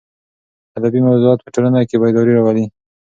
ادبي موضوعات په ټولنه کې بېداري راولي.